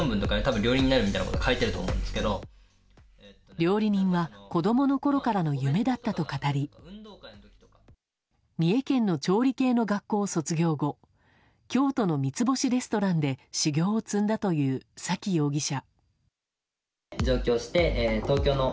料理人は子供のころからの夢だったと語り三重県の調理系の学校を卒業後京都の三つ星レストランで修業を積んだという崎容疑者。